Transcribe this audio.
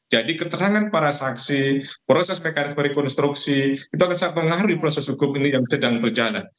jadi keterangan para saksi proses mekanisme rekonstruksi itu akan sangat mengaruhi proses hukum ini yang sedang berjalan